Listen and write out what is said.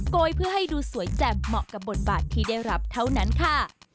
ยเพื่อให้ดูสวยแจ่มเหมาะกับบทบาทที่ได้รับเท่านั้นค่ะ